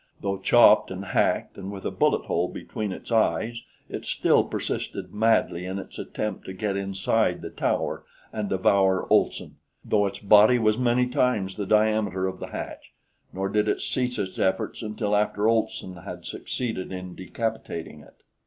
Though chopped and hacked, and with a bullethole between its eyes, it still persisted madly in its attempt to get inside the tower and devour Olson, though its body was many times the diameter of the hatch; nor did it cease its efforts until after Olson had succeeded in decapitating it.